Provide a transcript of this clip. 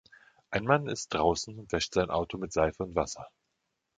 Ein Mann ist draußen und wäscht sein Auto mit Seife und Wasser.